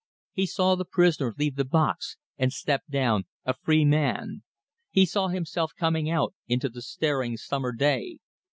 He saw the prisoner leave the box and step down a free man. He saw himself coming out into the staring summer day.